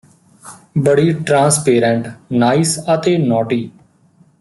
ਬੜੀ transparent nice ਅਤੇ naughty